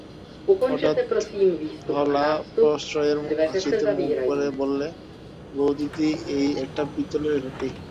হঠাৎ হলা প্রশ্রয়ের হাসিতে মুখ ভরে বললে, বউদিদি, এই একটা পিতলের ঘটি।